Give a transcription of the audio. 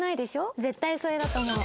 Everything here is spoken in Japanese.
絶対それだと思う。